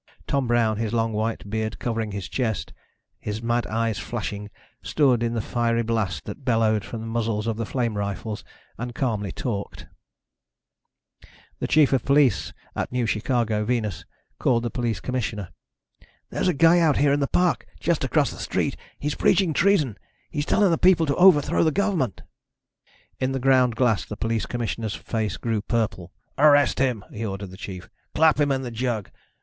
Tom Brown, his long white beard covering his chest, his mad eyes flashing, stood in the fiery blast that bellowed from the muzzles of the flame rifles and calmly talked. The chief of police at New Chicago, Venus, called the police commissioner. "There's a guy out here in the park, just across the street. He's preaching treason. He's telling the people to overthrow the government." In the ground glass the police commissioner's face grew purple. "Arrest him," he ordered the chief. "Clap him in the jug.